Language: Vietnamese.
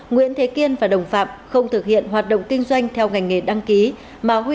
nguyễn thế kiên và đồng phạm không thực hiện hoạt động kinh doanh theo ngành nghề đăng ký mà huy